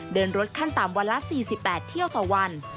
เดินรถขั้นต่ำวันละ๔๘เที่ยวต่อวัน